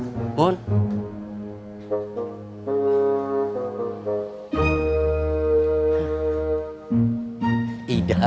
itu siapa yang berdua siap